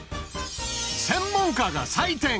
専門家が採点